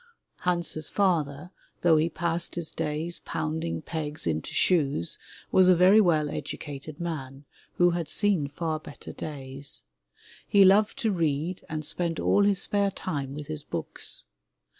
Hans's father, though he passed his days pounding pegs into shoes, was a very well educated man, who had seen far better days. He loved to read and spent all his spare time with his books.